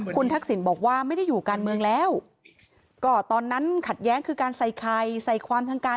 คุณทักษิณบอกว่าไม่ได้อยู่กาลเมืองแล้ว